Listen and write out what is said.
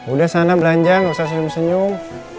udah sana belanja nggak usah senyum senyum